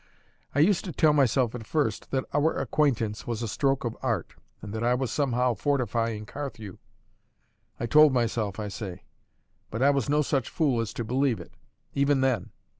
I used to tell myself at first that our acquaintance was a stroke of art, and that I was somehow fortifying Carthew. I told myself, I say; but I was no such fool as to believe it, even then.